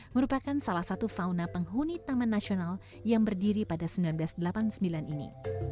merupakan salah satu fauna penghuni taman nasional yang berdiri pada seribu sembilan ratus delapan puluh sembilan ini